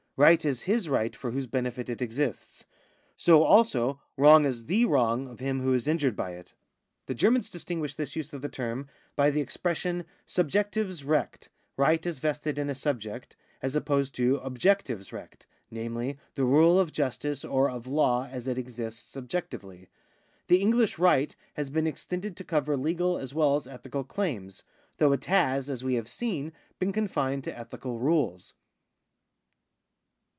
Right is his right for whose benefit it exists. So, also, wrong is the wrong of him who is injured by it. The Germans distinguish this 460 APPENDIX I use of the term by the expression suhjeclives Recht (right as vested in a subject) as opposed to objectives Recht, namely, the rule of justice or of law as it exists objectively. The English right has been extended to cover legal as well as ethical claims, though it has, as we have seen, been confined to ethical rules.